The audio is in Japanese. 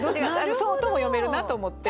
そうとも読めるなと思って。